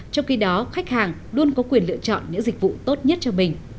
trong khi đó khách hàng luôn có quyền lựa chọn những dịch vụ tốt nhất cho mình